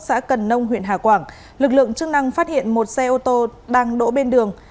xã cần nông huyện hà quảng lực lượng chức năng phát hiện một xe ô tô đang đỗ bên đường